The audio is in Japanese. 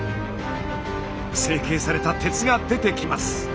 成形された鉄が出てきます。